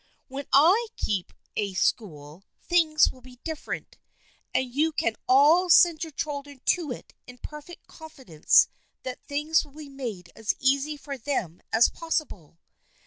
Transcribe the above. When / keep a school, things will be different, and you can all send your children to it in perfect confidence that things will be made as easy for them as possible.